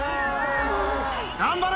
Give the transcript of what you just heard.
頑張れ。